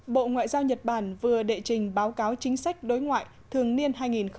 bộ ngoại giao nhật bản vừa đệ trình báo cáo chính sách đối ngoại thường niên hai nghìn một mươi chín